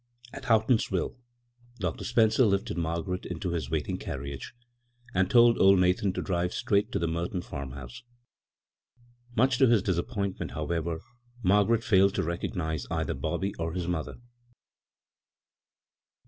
At Houghtonsville Dr. Spencer lifted Mar garet into his waiting carriage, and told old Nathan to drive straight to the Merton fann . house. Much to his disappointment, how ever, Margaret ^ied to recognize either Bobby or his mother.